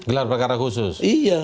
gelar perkara khusus